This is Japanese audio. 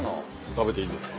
食べていいんですか？